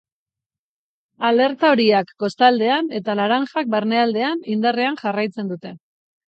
Alerta horiak, kostaldean, eta laranajak, barnealdean, indarrean jarraitzen dute.